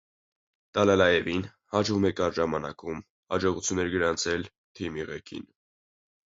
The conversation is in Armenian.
Տալալաևին հաջողվում է կարճ ժամանակում հաջողություններ գրանցել թիմի ղեկին։